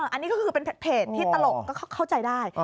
อันนี้ก็คือเป็นเพจที่ตลกก็เข้าใจได้